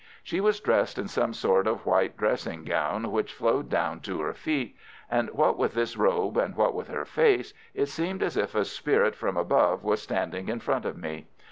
She was dressed in some sort of white dressing gown which flowed down to her feet, and what with this robe and what with her face, it seemed as if a spirit from above was standing in front of me.